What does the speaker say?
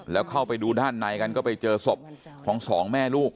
แล้วเข้าไปดูด้านในกันก็ไปเจอศพของสองแม่ลูก